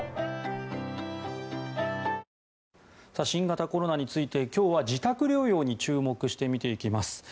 新型コロナについて今日は自宅療養に注目して見ていきます。